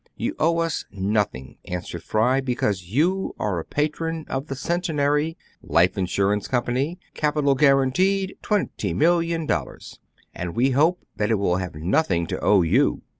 "You owe us nothing," answered Fry, "be cause you are a patron of the Centenary "—" Life Insurance Company "— "Capital guaranteed: twenty million dollars." " And we hope "— "That it will have nothing to owe you."